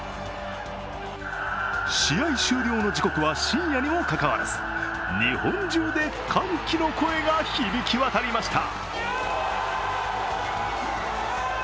試合終了の時刻は深夜にもかかわらず日本中で歓喜の声が響き渡りました。